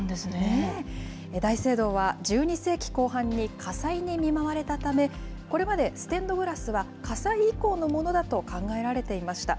大聖堂は１２世紀後半に火災に見舞われたため、これまでステンドグラスは火災以降のものだと考えられていました。